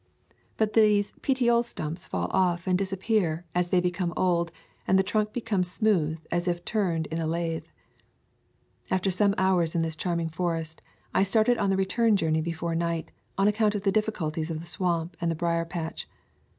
But these petiole { 117 J A Thousand Mile VW alk stumps fall off and disappear as they become old, and the trunk becomes smooth as if turned in a lathe. After some hours in this charming forest I started on the return journey before night, on account of the difficulties of the swamp and the brier patch.